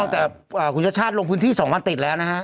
แต่คุณชาติชาติลงพื้นที่๒วันติดแล้วนะฮะ